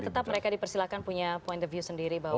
tetap mereka dipersilakan punya point the view sendiri bahwa